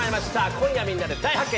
「今夜みんなで大発見！？